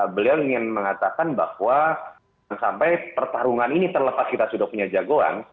beliau ingin mengatakan bahwa jangan sampai pertarungan ini terlepas kita sudah punya jagoan